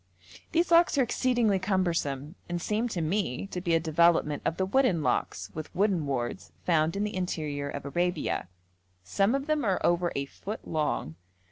These locks are exceedingly cumbersome, and seem to me to be a development of the wooden locks with wooden wards found in the interior of Arabia. Some of them are over a foot long.